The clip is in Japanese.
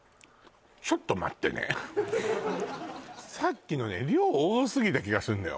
ちょっと待ってねさっきのね量多すぎた気がすんのよ